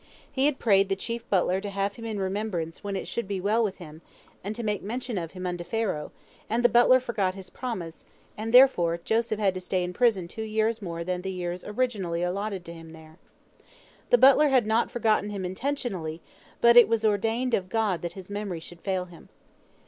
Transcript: He had prayed the chief butler to have him in remembrance when it should be well with him, and make mention of him unto Pharaoh, and the butler forgot his promise, and therefore Joseph had to stay in prison two years more than the years originally allotted to him there. The butler had not forgotten him intentionally, but it was ordained of God that his memory should fail him.